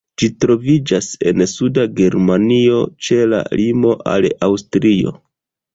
Ĝi troviĝas en suda Germanio, ĉe la limo al Aŭstrio.